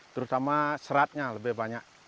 terutama seratnya lebih banyak